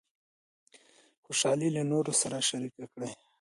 خوشحالي له نورو سره شریکه کړئ.